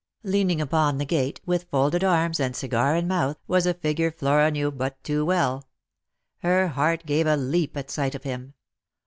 Leaning upon the gate, with folded arms and cigar in mouth, was a figure Mora knew but too well. Her heart gave a leap at sight of him.